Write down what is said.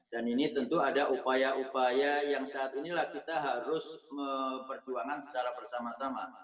dan ini tentu ada upaya upaya yang saat inilah kita harus memperjuangkan secara bersama sama